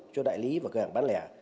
cho đại lý và cơ hội bán lẻ